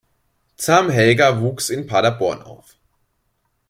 Zam Helga wuchs in Paderborn auf.